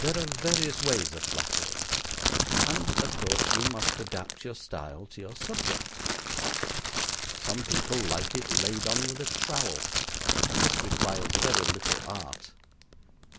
There are various ways of flattering, and, of course, you must adapt your style to your subject. Some people like it laid on with a trowel, and this requires very little art.